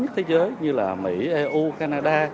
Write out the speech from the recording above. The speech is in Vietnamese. nhất thế giới như là mỹ eu canada